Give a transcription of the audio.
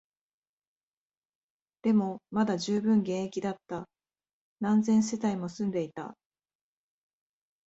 でも、まだ充分現役だった、何千世帯も住んでいた